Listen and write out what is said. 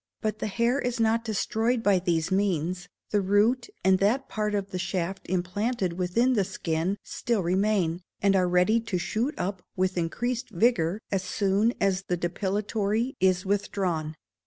But the hair is not destroyed by these means, the root and that part of the shaft implanted within the skin still remain, and are ready to shoot up with increased vigour as soon as the depilatory is withdrawn.